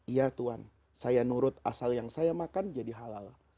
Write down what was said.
iya tuhan saya nurut asal yang saya makan jadi halal